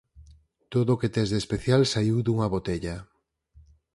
Todo o que tes de especial saíu dunha botella.